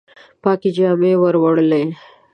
پاکي جامي وروړلي